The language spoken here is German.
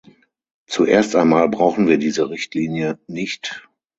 Zuerst einmal brauchen wir diese Richtlinie nicht.